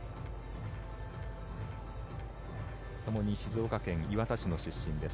ともに静岡県磐田市の出身です。